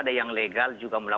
kalau ada yang legal juga mungkin